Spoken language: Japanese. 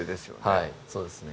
はいそうですね